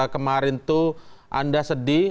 kemarin itu anda sedih